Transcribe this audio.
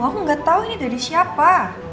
aku gak tau ini dari siapa